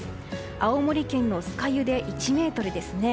青森県の酸ヶ湯で１ｍですね。